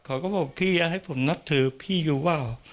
เขาก็บอกพี่ให้ผมนัดสื่อพี่อยู่ว่าหรอ